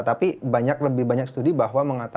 tapi banyak lebih banyak studi bahwa itu pro kontra